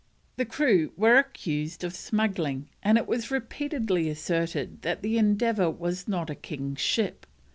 The crew were accused of smuggling, and it was repeatedly asserted that the Endeavour was not a king's ship.